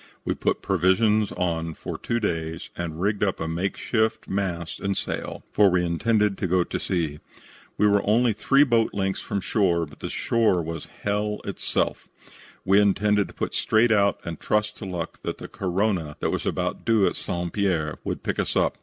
We put provisions on for two days and rigged up a make shift mast and sail, for we intended to go to sea. We were only three boats' length from the shore, but the shore was hell itself. We intended to put straight out and trust to luck that the Korona, that was about due at St. Pierre, would pick us up.